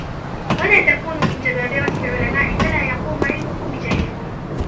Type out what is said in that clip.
وَلَا تَكُونُوا مِنْ جَبَابِرَةِ الْعُلَمَاءِ فَلَا يَقُومُ عِلْمُكُمْ بِجَهْلِكُمْ